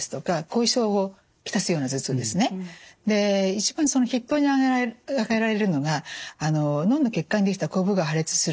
で一番筆頭に挙げられるのが脳の血管に出来たこぶが破裂する